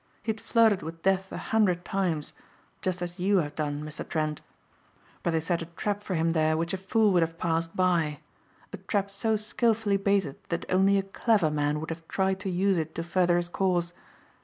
He had flirted with death a hundred times, just as you have done Mr. Trent, but they set a trap for him there which a fool would have passed by; a trap so skillfully baited that only a clever man would have tried to use it to further his cause.